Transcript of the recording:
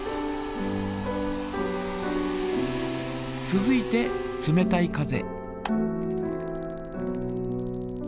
続いて冷たい風。